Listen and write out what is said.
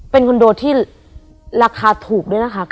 เป็นคอนโดที่ราคาถูกด้วยนะคะ